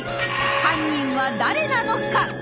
犯人は誰なのか！？